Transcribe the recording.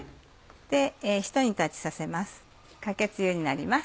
ひと煮立ちさせます